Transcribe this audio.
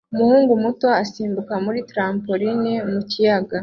Umuhungu muto asimbuka muri trampoline mu kiyaga